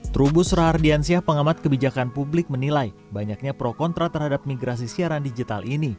trubus rahardiansyah pengamat kebijakan publik menilai banyaknya pro kontra terhadap migrasi siaran digital ini